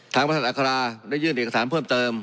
ทางบริษัทอัคราได้ยื่นเอกสารเพิ่มเติม